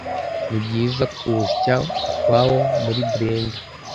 ni byiza kuwusya ukwawo muri blender